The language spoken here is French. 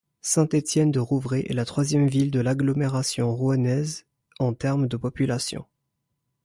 Saint-Étienne-du-Rouvray est la troisième ville de l'agglomération rouennaise en termes de population.